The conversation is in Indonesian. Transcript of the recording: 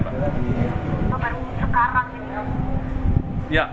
bapak baru sekarang ini ya